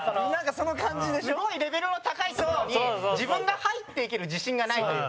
草薙：すごいレベルの高い所に自分が入っていける自信がないというか。